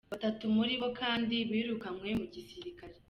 Batatu muri bo kandi birukanywe mu gisirikare.